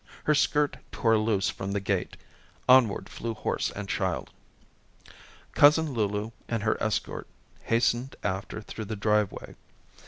Her skirt tore loose from the gate. Onward flew horse and child. Cousin Lulu and her escort hastened after through the driveway.